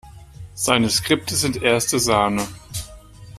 Seine Skripte sind erste Sahne.